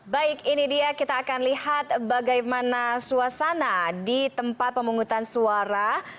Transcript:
baik ini dia kita akan lihat bagaimana suasana di tempat pemungutan suara